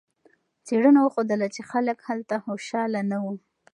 څېړنو وښودله چې خلک هلته خوشحاله نه وو.